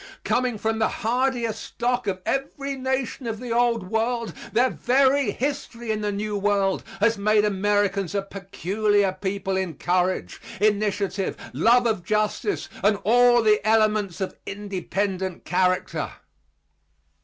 Coming from the hardiest stock of every nation of the old world their very history in the new world has made Americans a peculiar people in courage, initiative, love of justice and all the elements of independent character.